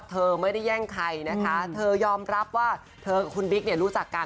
เธอไม่ได้แย่งใครนะคะเธอยอมรับว่าเธอกับคุณบิ๊กเนี่ยรู้จักกัน